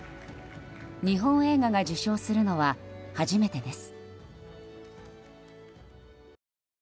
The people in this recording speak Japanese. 日本映画が受賞するのは初めてです。